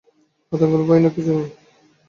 আতঙ্কের মতো ভয়াবহ কিছুই নেই।